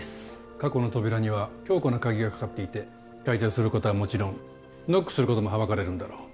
過去の扉には強固な鍵がかかっていて開錠する事はもちろんノックする事もはばかられるんだろう。